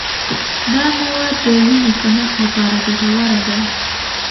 دا میوه د وینې کمښت لپاره ګټوره ده.